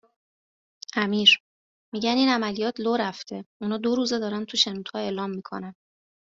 امیر: میگن این عملیات لو رفته اونا دو روزه دارن تو شنودها اعلام میکنن